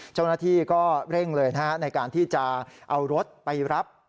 เจ้าหน้าที่ก็เร่งเลยในการที่จะเอารถไปรับ